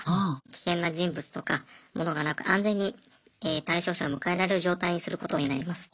危険な人物とか物がなく安全に対象者を迎えられる状態にすることになります。